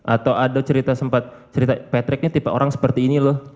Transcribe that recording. atau ada cerita sempat cerita patrick nih tipe orang seperti ini loh